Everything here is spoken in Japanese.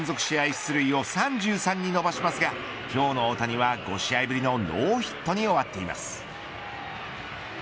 出塁を３３に伸ばしますが今日の大谷は、５試合ぶりのノーヒットに終わっています。